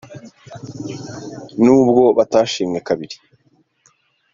n’ubwo batashimwe kabiri